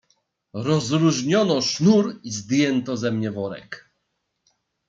"Rozluźniono sznur i zdjęto ze mnie worek."